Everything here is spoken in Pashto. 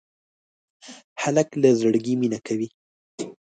هلک له زړګي مینه کوي.